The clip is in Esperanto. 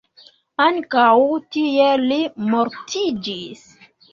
Ankaŭ tie li mortiĝis.